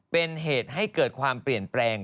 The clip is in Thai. เป็นเหตุให้เกิดความเปลี่ยนแปลง